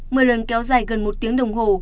mưa lớn kéo dài gần một tiếng đồng hồ